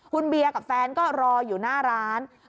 คุณเบียร์กับแฟนก็รออยู่หน้าร้าน